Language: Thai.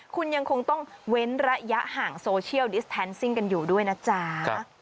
คุณยังคงต้องเว้นระยะห่างโซเชียลดิสแทนซิ่งกันอยู่ด้วยนะจ๊ะ